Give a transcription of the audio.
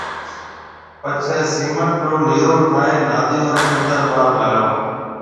پڇيَ سيمنٽ رو نيِرو ٺائيَ ناديون رَي اندر ٻاھر لگائو